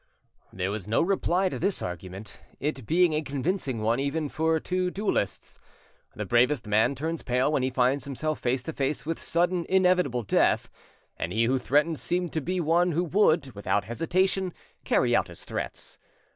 There was no reply to this argument, it being a convincing one even for two duellists. The bravest man turns pale when he finds himself face to face with sudden inevitable death, and he who threatened seemed to be one who would, without hesitation, carry out his threats.